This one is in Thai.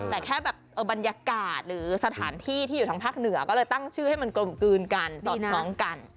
แต่แค่แบบบรรยากาศหรือสถานที่ที่อยู่ทางภาคเหนือก็เลยตั้งชื่อให้มันกลมกลืนกันสอดคล้องกัน